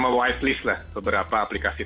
me whitelist beberapa aplikasi